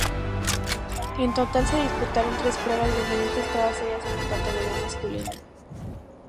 En total se disputaron tres pruebas diferentes, todas ellas en la categoría masculina.